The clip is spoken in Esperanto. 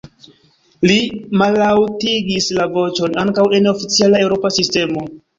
Li mallaŭtigis la voĉon: “Ankaŭ en oficiala eŭropa sistemo.